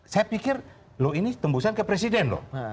saya pikir loh ini tembusan ke presiden loh